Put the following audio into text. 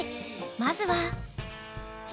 まずは。